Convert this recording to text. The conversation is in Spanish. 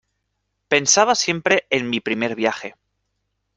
pensaba siempre en mi primer viaje.